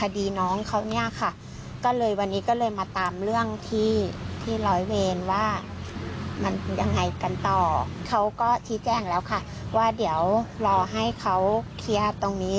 เดี๋ยวรอให้เขาเคลียร์ตรงนี้